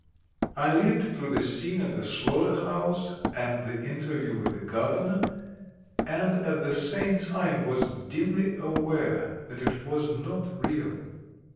I lived through the scene at the slaughterhouse, and the interview with the Governor, and at the same time was dimly aware that it was not real.